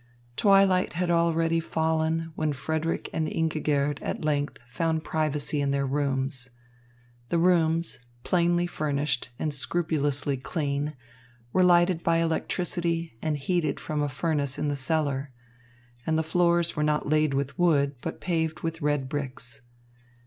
Twilight had already fallen when Frederick and Ingigerd at length found privacy in their rooms. The rooms, plainly furnished and scrupulously clean, were lighted by electricity and heated from a furnace in the cellar; and the floors were not laid with wood, but paved with red bricks.